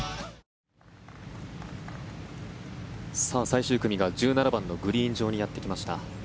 最終組が１７番のグリーン上にやってきました。